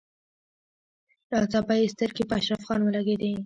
ناڅاپه يې سترګې په اشرف خان ولګېدې.